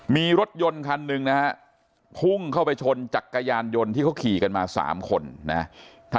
มีรถยนต์คันหนึ่งนะฮะพุ่งเข้าไปชนจักรยานยนต์ที่เขาขี่กันมา๓คนนะ